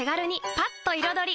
パッと彩り！